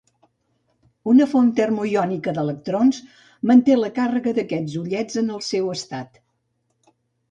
Una font termoiònica d'electrons manté la càrrega d'aquests ullets en el seu estat.